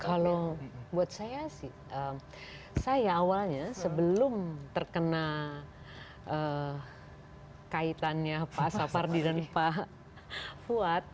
kalau buat saya sih saya awalnya sebelum terkena kaitannya pak sapardi dan pak fuad